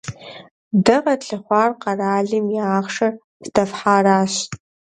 Дэ къэтлъыхъуэр къэралым и ахъшэр здэфхьаращ.